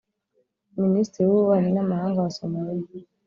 Minisitiri w’Ububanyi n’Amahanga wa Somaliya